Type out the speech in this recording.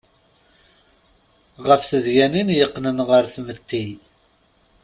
Ɣef tedyanin yeqqnen ɣer tmetti.